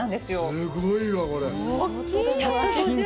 すごいわ、これ。